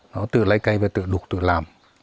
nó tự lấy cây và tự đục tự làm